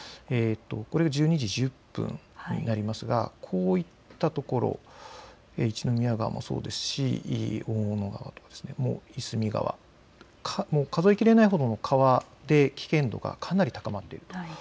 １２時１０分になりますがこういったところ一宮川もそうですし、大野川、夷隅川、数え切れないほどの川で危険度がかなり高まっています。